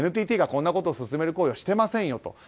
ＮＴＴがこんなことを勧める行為はしていませんよと。